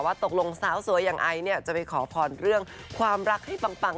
เวลาเราขอเราก็ขอเรื่องงาน